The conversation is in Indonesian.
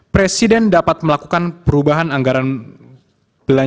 presiden dapat melakukan perubahan anggaran belanja